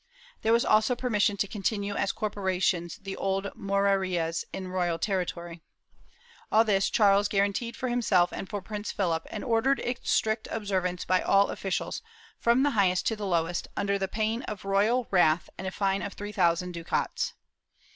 There was also permission to continue as corporations the old Morerias in royal territory. All this Charles guaranteed for himself and for Prince Philip, and ordered its strict observance by all officials, from the highest to the lowest, under pain of the royal wrath and a fine of three thousand ducats.